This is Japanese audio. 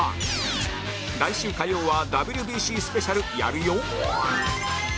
来週火曜は ＷＢＣ スペシャルやるよ